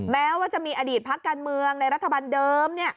แม้ว่าจะมีอดีตพักการเมืองในรัฐบาลเดิม